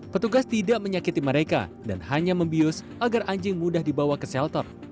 petugas tidak menyakiti mereka dan hanya membius agar anjing mudah dibawa ke shelter